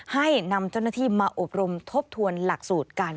ให้นำเจ้าหน้าที่มาอบรมทบทวนหลักสูตรกัน